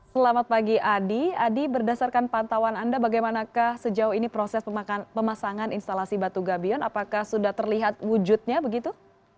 selamat pagi adi berdasarkan pantauan anda bagaimanakah sejauh ini proses pemasangan instalasi batu gabion apakah sudah terlihat wujudnya begitu